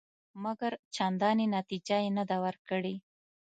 مګر چندانې نتیجه یې نه ده ورکړې.